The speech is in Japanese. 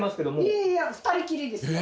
いやいや２人きりですよ。